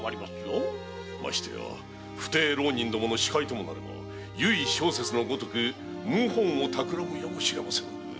ましてや不逞浪人どもの首魁ともなれば由井正雪のごとく謀反を企むやもしれません。